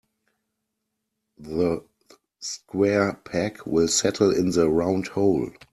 The square peg will settle in the round hole.